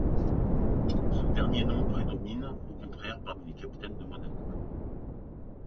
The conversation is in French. Ce dernier nom prédomine, au contraire, parmi les capitaines de Monaco.